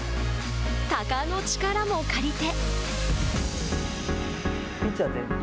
鷹の力も借りて。